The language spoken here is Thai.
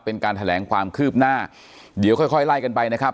เป็นการแถลงความคืบหน้าเดี๋ยวค่อยค่อยไล่กันไปนะครับ